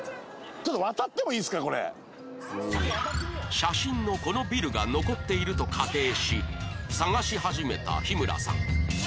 写真のこのビルが残っていると仮定し探し始めた日村さん